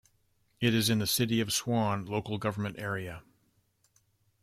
It is in the City of Swan local government area.